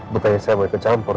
bukannya saya baik baik campur